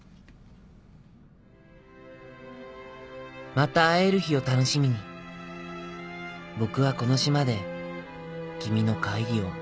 「また会える日を楽しみに僕はこの島で君の帰りを待っています。